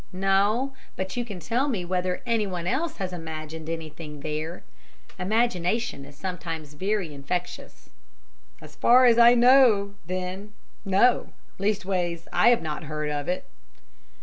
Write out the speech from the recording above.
"No, but you can tell me whether anyone else has imagined anything there. Imagination is sometimes very infectious." "As far as I know, then, no; leastways, I have not heard tell of it."